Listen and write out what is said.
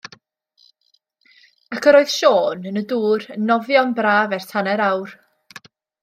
Ac yr oedd Siôn yn y dŵr yn nofio yn braf ers hanner awr.